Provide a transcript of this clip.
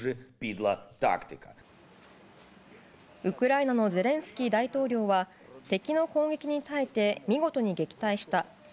ウクライナのゼレンスキー大統領は敵の攻撃に耐えて見事に撃退した。